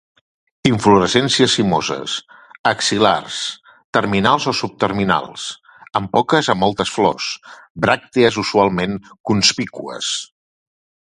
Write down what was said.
Inflorescències cimoses, axil·lars, terminals o subterminals, amb poques a moltes flors; bràctees usualment conspícues.